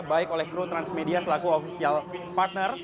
baik oleh kru transmedia selaku official partner